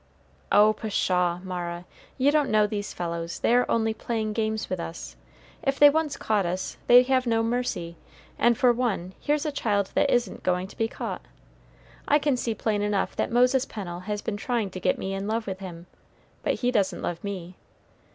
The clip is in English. "Oh, pshaw, Mara, you don't know these fellows; they are only playing games with us. If they once catch us, they have no mercy; and for one here's a child that isn't going to be caught. I can see plain enough that Moses Pennel has been trying to get me in love with him, but he doesn't love me.